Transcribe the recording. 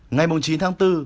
ngày chín tháng bốn